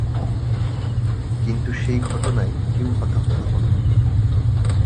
কিন্তু সেই ঘটনায় কেউ হতাহত হননি।